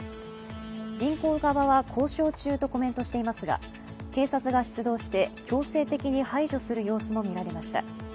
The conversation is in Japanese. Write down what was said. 銀行側は交渉中とコメントしていますが警察が出動して、強制的に排除する様子も見られました。